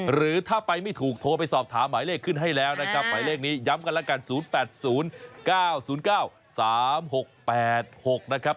หรือถ้าไปไม่ถูกโทรไปสอบถามหมายเลขขึ้นให้แล้วนะครับหมายเลขนี้ย้ำกันแล้วกัน๐๘๐๙๐๙๓๖๘๖นะครับ